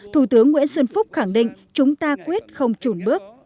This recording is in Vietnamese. thủ tướng nguyễn xuân phúc khẳng định chúng ta quyết không trùn bước